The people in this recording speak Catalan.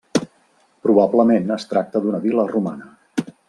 Probablement es tracta d'una vila romana.